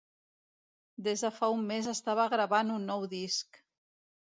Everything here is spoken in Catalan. Des de fa un mes estava gravant un nou disc.